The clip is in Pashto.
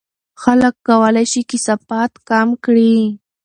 خلک کولای شي کثافات کم کړي.